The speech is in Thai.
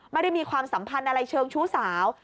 ไม่ได้มีความสัมพันธ์อะไรเชิงชู้สาว